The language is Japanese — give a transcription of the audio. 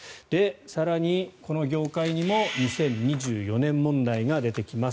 更に、この業界にも２０２４年問題が出てきます。